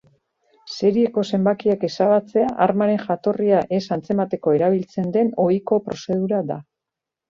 Serieko zenbakiak ezabatzea armaren jatorria ez antzemateko erabiltzen den ohiko prozedura da.